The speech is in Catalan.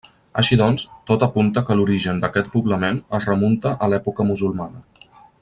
Així doncs, tot apunta que l'origen d'aquest poblament es remunta a l'època musulmana.